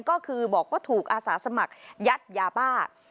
ก็คือบอกว่าถูกอาสาสมัครยัดยาบ้า